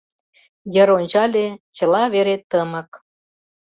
Йыр ончале: чыла вере тымык.